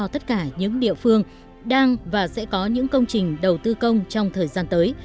tất cả những địa phương đang và sẽ có những công trình đầu tư công trong thời gian tới